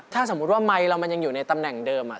ถ้าสมมุติว่าไมค์เรามันยังอยู่ในตำแหน่งเดิม